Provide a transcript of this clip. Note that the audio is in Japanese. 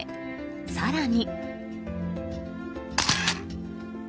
更に。